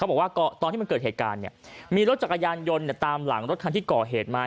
บอกว่าตอนที่มันเกิดเหตุการณ์เนี่ยมีรถจักรยานยนต์ตามหลังรถคันที่ก่อเหตุมา